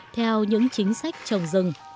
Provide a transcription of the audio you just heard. theo những chính sách trồng rừng